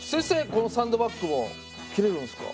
このサンドバッグも切れるんですか？